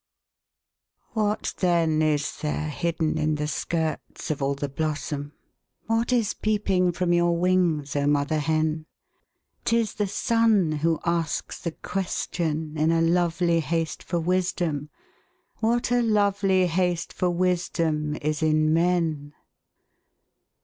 What then is there hidden in the skirts of all the blossom, What is peeping from your wings, oh mother hen? 'T is the sun who asks the question, in a lovely haste for wisdom What a lovely haste for wisdom is in men?